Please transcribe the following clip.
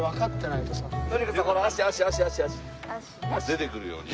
出てくるように。